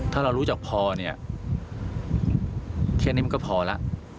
ถ้าเรารู้จักพอเนี่ยแค่นี้มันก็พอแล้ว